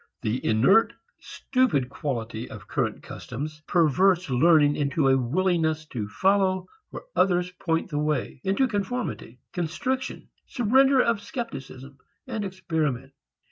The inert, stupid quality of current customs perverts learning into a willingness to follow where others point the way, into conformity, constriction, surrender of scepticism and experiment.